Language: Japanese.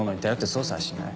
捜査はしない。